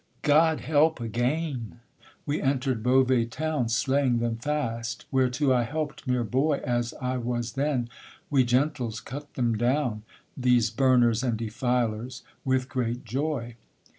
God help again! we enter'd Beauvais town, Slaying them fast, whereto I help'd, mere boy As I was then; we gentles cut them down, These burners and defilers, with great joy.